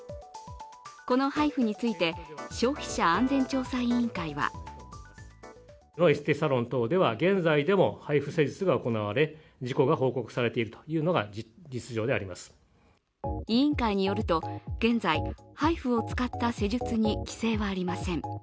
このＨＩＦＵについて、消費者安全調査委員会は委員会によると、現在、ＨＩＦＵを使った施術に規制はありません。